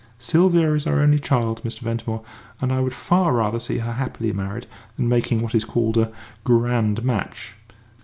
Sylvia is our only child, Mr. Ventimore, and I would far rather see her happily married than making what is called a 'grand match.'